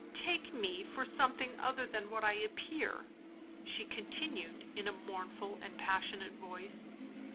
" Take me for something other than what I appear," she continued, in a mourn ful and passionate voice.